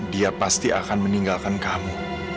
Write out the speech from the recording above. dia pasti akan meninggalkan kamu